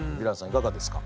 いかがですか？